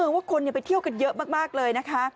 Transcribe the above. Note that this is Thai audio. ว่าคนไปเที่ยวกันเยอะมากเลยนะคะ